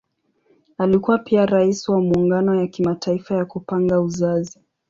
Alikuwa pia Rais wa Muungano ya Kimataifa ya Kupanga Uzazi.